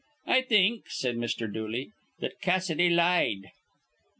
"I think," said Mr. Dooley, "that Cassidy lied."